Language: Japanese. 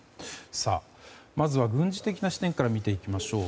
まずは軍事的な視点から見ていきましょう。